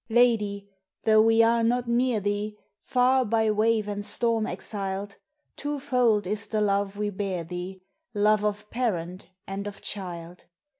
Lady! though we are not near thee Far by wave and storm exiled: Twofold is the love we bear thee Love of parent and of child.